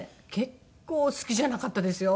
結構好きじゃなかったですよ。